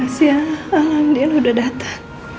makasih ya alhamdulillah udah datang